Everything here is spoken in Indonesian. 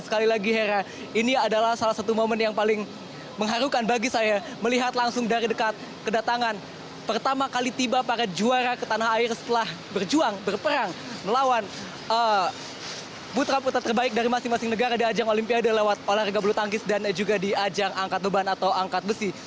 sekali lagi hera ini adalah salah satu momen yang paling mengharukan bagi saya melihat langsung dari dekat kedatangan pertama kali tiba para juara ke tanah air setelah berjuang berperang melawan putra putra terbaik dari masing masing negara di ajang olimpiade lewat olahraga bulu tangkis dan juga di ajang angkat beban atau angkat besi